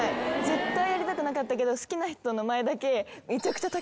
やりたくなかったけど好きな人の前だけ。